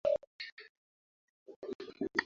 একজন মহিলা এই কেবিনে আসতে চাচ্ছেন।